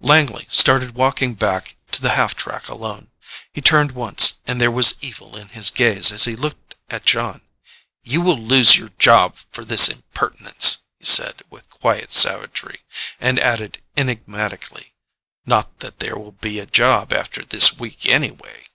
Langley started walking back to the half track alone. He turned once and there was evil in his gaze as he looked at Jon. "You will lose your job for this impertinence," he said with quiet savagery, and added, enigmatically, "not that there will be a job after this week anyway."